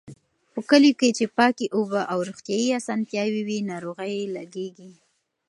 په کليو کې چې پاکې اوبه او روغتيايي اسانتیاوې وي، ناروغۍ لږېږي.